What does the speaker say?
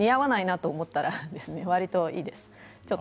似合わないなと思ったらいいですよ。